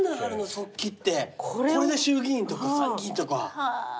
これで衆議院とか参議院とか。